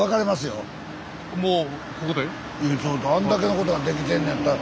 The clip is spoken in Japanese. あんだけのことができてんのやったら。